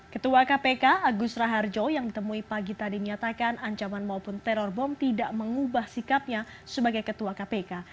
ketua kpk agus raharjo yang ditemui pagi tadi menyatakan ancaman maupun teror bom tidak mengubah sikapnya sebagai ketua kpk